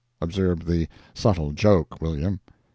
(Observe the subtle joke, William.)